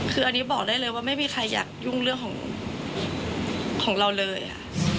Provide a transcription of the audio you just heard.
คืออันนี้บอกได้เลยว่าไม่มีใครอยากยุ่งเรื่องของของเราเลย